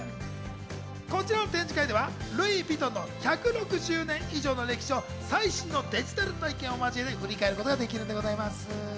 こちらの展示会ではルイ・ヴィトンの１６０年以上の歴史を最新のデジタル体験を交えて振り返ることができるんです。